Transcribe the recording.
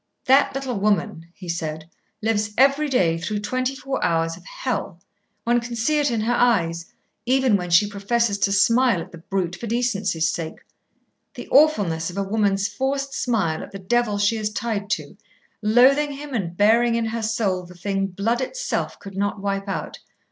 "That little woman," he said, "lives every day through twenty four hours of hell. One can see it in her eyes, even when she professes to smile at the brute for decency's sake. The awfulness of a woman's forced smile at the devil she is tied to, loathing him and bearing in her soul the thing, blood itself could not wipe out.